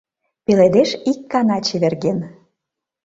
Пеледеш ик гана чеверген.